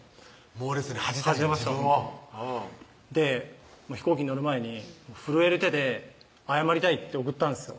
猛烈に恥じた自分をで飛行機乗る前に震える手で「謝りたい」って送ったんですよ